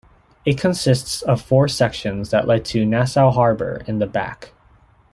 It consists of four sections that lead to Nassau Harbour in the back.